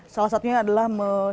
salah satunya adalah